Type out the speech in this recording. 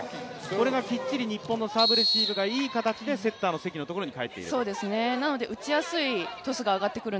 これがきっちり日本のサーブレシーブがいい形でセッターの関のところに返ってきている。